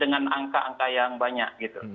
dengan angka angka yang banyak gitu